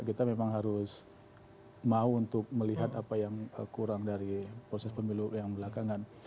kita memang harus mau untuk melihat apa yang kurang dari proses pemilu yang belakangan